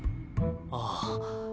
ああ。